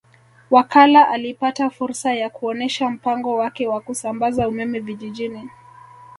Wakala alipata fursa ya kuonesha mpango wake wa kusambaza umeme vijijini